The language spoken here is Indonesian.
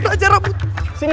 dasar ratu bawangan